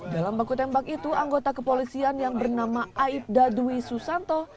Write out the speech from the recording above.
dalam baku tembak itu anggota kepolisian yang bernama aibda dwi susanto